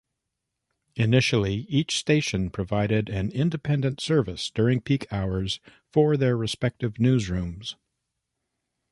Initially, each station provided an independent service during peak hours from their respective newsrooms.